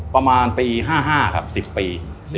ประมาณปี๕๕ครับ๑๐ปี